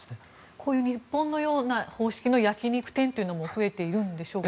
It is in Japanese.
こういう日本のような方式の焼き肉店というのも増えているんでしょうか。